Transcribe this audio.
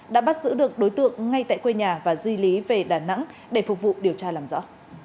đã bắt giữ được đối tượng ngay tại quê nhà và di lý về đà nẵng để phục vụ điều tra làm rõ